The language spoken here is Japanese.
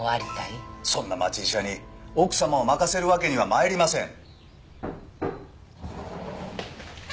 そんな町医者に奥様を任せるわけには参りません。